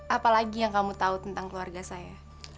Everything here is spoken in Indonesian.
apa lagi yang kamu tahu tentang keluarga saya